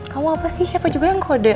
kamu apa sih siapa juga yang kode